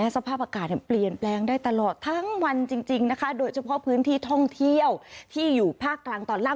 สภาพอากาศเปลี่ยนแปลงได้ตลอดทั้งวันจริงนะคะโดยเฉพาะพื้นที่ท่องเที่ยวที่อยู่ภาคกลางตอนล่าง